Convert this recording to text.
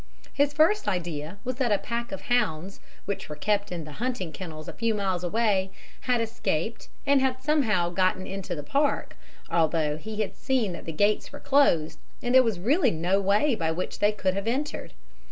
His first idea was that a pack of hounds which were kept in the hunting kennels a few miles away, had escaped and had somehow got into the park, although he had seen that the gates were closed, and there was really no way by which they could have entered.